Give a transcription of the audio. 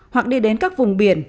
hoặc đi đến các vùng biển